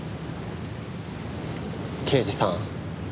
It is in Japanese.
刑事さん